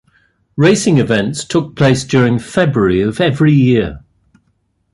Racing events took place during February of every year.